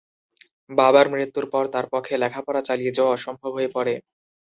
বাবার মৃত্যুর পর তার পক্ষে লেখাপড়া চালিয়ে যাওয়া অসম্ভব হয়ে পড়ে।